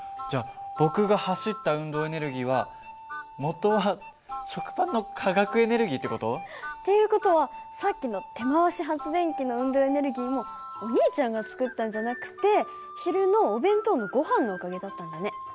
じゃあ僕が走った運動エネルギーはもとは食パンの化学エネルギーって事？っていう事はさっきの手回し発電機の運動エネルギーもお兄ちゃんが作ったんじゃなくて昼のお弁当のごはんのおかげだったんだね。